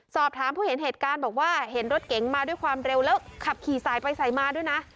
สอบถามผู้เห็นเหตุการณ์บอกว่าเห็นรถเก๋งมาด้วยความเร็วแล้วขับขี่สายไปสายมาด้วยนะ